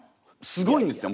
すごいんですよ